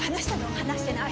話してない。